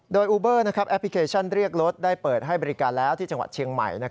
โดยอูเบอร์แอปพลิเคชันเรียกรถได้เปิดให้บริการแล้วที่จังหวัดเชียงใหม่